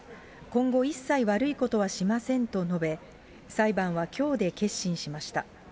今後一切悪いことはしませんと述べ、裁判はきょうで結審しました。